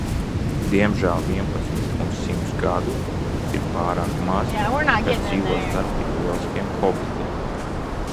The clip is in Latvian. Diemžēl, vienpadsmit un simts gadu ir pārāk maz, kad dzīvo starp tik lieliskiem hobitiem!